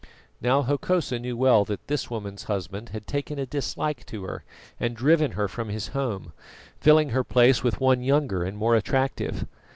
Now Hokosa knew well that this woman's husband had taken a dislike to her and driven her from his home, filling her place with one younger and more attractive.